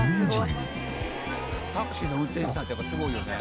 「タクシーの運転手さんってやっぱすごいよね」